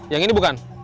yang ini bukan